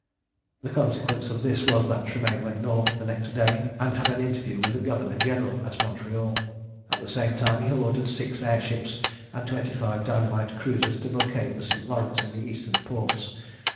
The consequence of this was that Tremayne went north the next day and had an interview with the Governor General at Montreal. At the same time he ordered six air ships and twenty five dynamite cruisers to blockade the St. Lawrence and the eastern ports.